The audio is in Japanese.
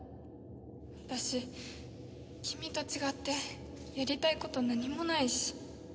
私君と違ってやりたいこと何もないし。